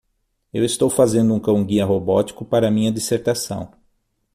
Eu estou fazendo um cão-guia robótico para minha dissertação.